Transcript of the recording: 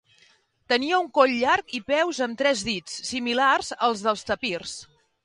Tenia un coll llarg i peus amb tres dits, similars als dels tapirs.